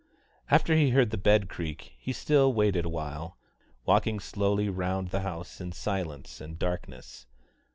After he heard the bed creak he still waited awhile, walking slowly round the house in silence and darkness.